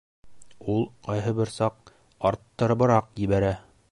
Ул ҡайһы бер саҡ арттырыбыраҡ ебәрә